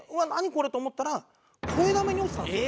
これ！と思ったら肥溜めに落ちたんですよね。